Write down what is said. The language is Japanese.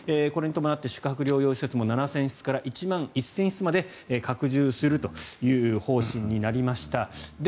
これに伴って宿泊療養施設も７０００室から１万１０００室まで拡充するという方針になりました。